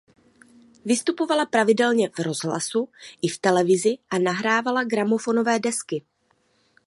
Vystupovala pravidelně v rozhlasu i v televizi a nahrávala gramofonové desky.